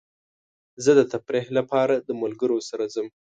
زه د تفریح لپاره د ملګرو سره ځم.